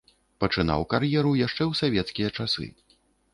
Пачынаў кар'еру яшчэ ў савецкія часы.